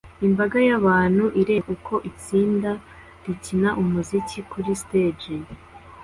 Imbaga y'abantu ireba uko itsinda rikina umuziki kuri stage